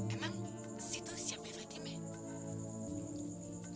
emang situ siapa fatime